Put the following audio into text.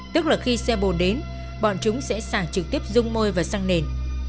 tức là khi xe bồn đến bọn chúng sẽ xả trực tiếp dung môi và xăng nền